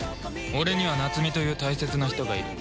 俺には夏美という大切な人がいる。